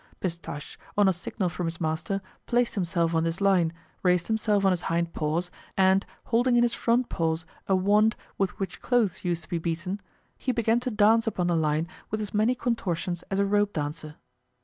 Pistache, on a signal from his master, placed himself on this line, raised himself on his hind paws, and holding in his front paws a wand with which clothes used to be beaten, he began to dance upon the line with as many contortions as a rope dancer.